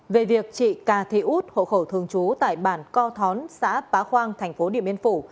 về việc chị cà thị út hộ khẩu thường trú tại bản co thón xã bá khoang thành phố điện biên phủ